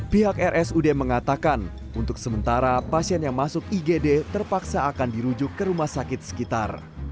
pihak rsud mengatakan untuk sementara pasien yang masuk igd terpaksa akan dirujuk ke rumah sakit sekitar